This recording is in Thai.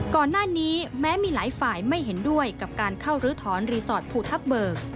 ก่อนหน้านี้แม้มีหลายฝ่ายไม่เห็นด้วยกับการเข้ารื้อถอนรีสอร์ทภูทับเบิก